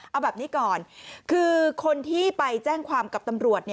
เอาแบบนี้ก่อนคือคนที่ไปแจ้งความกับตำรวจ